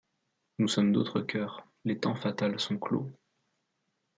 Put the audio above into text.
Nous sommes d'autres coeurs ; les temps fatals sont clos ;